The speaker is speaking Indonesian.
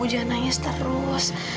jangan nangis terus